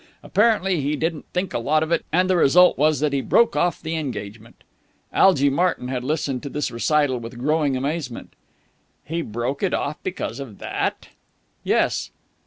Apparently he didn't think a lot of it, and the result was that he broke off the engagement." Algy Martyn had listened to this recital with growing amazement. "He broke it off because of that?" "Yes."